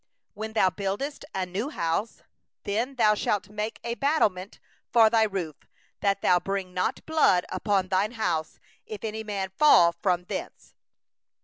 8When thou buildest a new house, then thou shalt make a parapet for thy roof, that thou bring not blood upon thy house, if any man fall from thence.